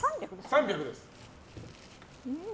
３００ですよね。